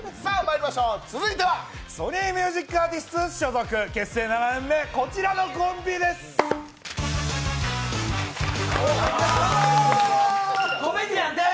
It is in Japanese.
続いてはソニーミュージックアーティスツ所属、結成７年目、こちらのコンビです。